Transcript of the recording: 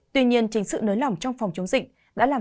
tuy nhiên chính sự nới lỏng trong phòng chống dịch đã làm